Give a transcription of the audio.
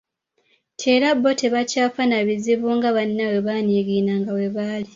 Nti era bo tebakyafa na bizibu nga bannaabwe bwe baaniigiinanga weebali.